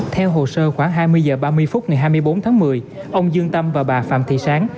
theo hồ sơ khoảng hai mươi h ba mươi phút ngày hai mươi bốn tháng một mươi ông dương tâm và bà phạm thị sáng